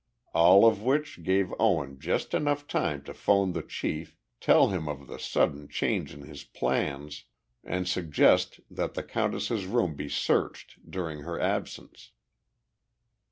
All of which gave Owen just enough time to phone the chief, tell him of the sudden change in his plans, and suggest that the countess's room be searched during her absence.